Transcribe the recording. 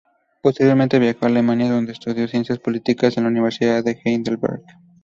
Posteriormente viajó a Alemania, donde estudió Ciencias Políticas en la Universidad de Heidelberg.